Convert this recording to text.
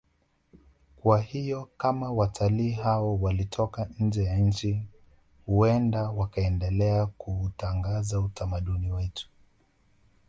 Kwa hiyo kama watalii hao walitoka nje ya nchi huenda wakaendelea kuutangaza utamaduni wetu